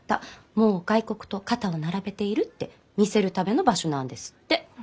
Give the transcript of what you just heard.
もう外国と肩を並べている」って見せるための場所なんですって。